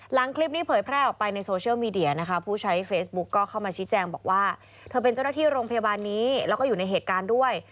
หลังคลิปนี้เผยแพร่ออกไปในโซเชียลมีเดียนะคะผู้ใช้เฟซบุ๊กก็เข้ามาชี้แจงบอกว่าเธอเป็นเจ้าหน้าที่โรงพยาบาลนี้แล้วก็อยู่ในเหตุการณ์ด้วย